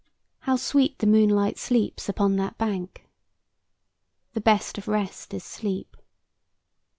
"How sweet the moonlight sleeps upon that bank." "The best of rest is sleep."